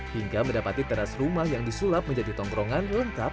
hingga mendapati teras rumah yang disulap menjadi tongkrongan lengkap